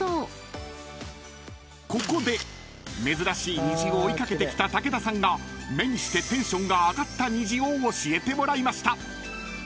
［ここで珍しい虹を追い掛けてきた武田さんが目にしてテンションが上がった虹を教えてもらいました］